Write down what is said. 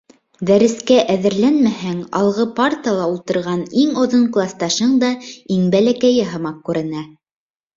Дәрескә әҙерләнмәһәң, алғы партала ултырған иң оҙон класташың да иң бәләкәйе һымаҡ күренә.